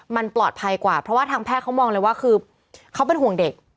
มันปลอดภัยกว่าเพราะว่าทางแพทย์เขามองเลยว่าคือเขาเป็นห่วงเด็ก